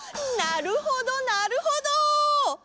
なるほどなるほど。